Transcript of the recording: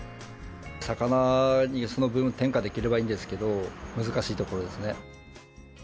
魚にその分、転嫁できればいいんですけど、難しいところですね。